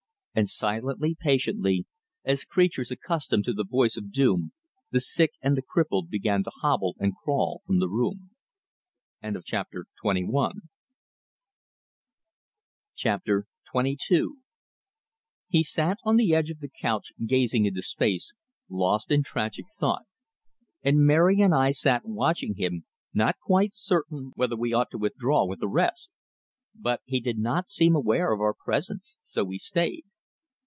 And silently, patiently, as creatures accustomed to the voice of doom, the sick and the crippled began to hobble and crawl from the room. XXII He sat on the edge of the couch, gazing into space, lost in tragic thought; and Mary and I sat watching him, not quite certain whether we ought to withdraw with the rest. But he did not seem aware of our presence, so we stayed.